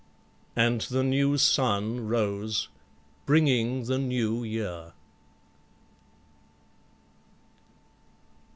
And the new sun rose bringing the new year.